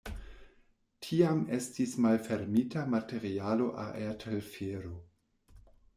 Tiam estis malfermita materialo-aertelfero.